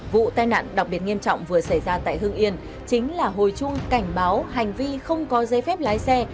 vụ tai nạn đặc biệt nghiêm trọng vừa xảy ra tại hương yên chính là hồi chuông cảnh báo hành vi không có giấy phép lái xe